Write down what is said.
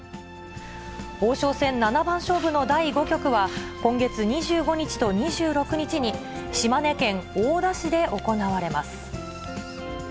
王将戦七番勝負の第５局は、今月２５日と２６日に、島根県大田市で行われます。